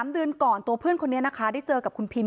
๓เดือนก่อนตัวเพื่อนคนนี้นะคะได้เจอกับคุณพิน